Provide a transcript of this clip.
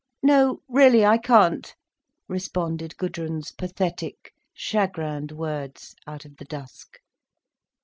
"No, really I can't," responded Gudrun's pathetic, chagrined words out of the dusk.